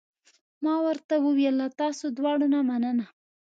ما ورته وویل: له تاسو دواړو نه مننه.